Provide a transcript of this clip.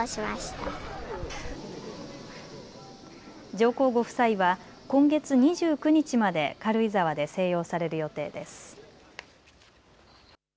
上皇ご夫妻は今月２９日まで軽井沢で静養される予定です。